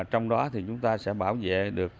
trong đó thì chúng ta sẽ bảo vệ được